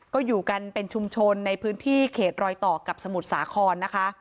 ก็อยู่กันเป็นชุมชนในพื้นที่เขตรอยต่อกับสมุทรสาครนะคะ